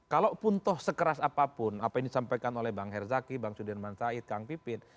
kalaupun toh sekeras apapun apa yang disampaikan oleh bang herzaki bang sudirman said kang pipin